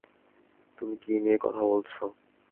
তুমি কী নিয়ে কথা বলছো?